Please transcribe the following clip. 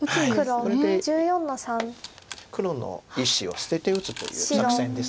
これで黒の１子を捨てて打つという作戦です。